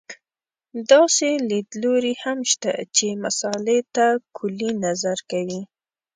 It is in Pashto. داسې لیدلوري هم شته چې مسألې ته کُلي نظر کوي.